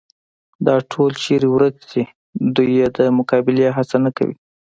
دا ټول چېرې ورک دي، دوی یې د مقابلې هڅه نه کوي.